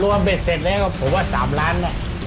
รวมไปเสร็จแล้วก็๓ล้านบาท